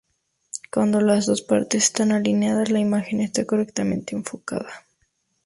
Cuando las dos partes están alineadas la imagen está correctamente enfocada.